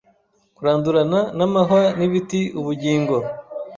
Kurandurana namahwa nibiti Ubugingo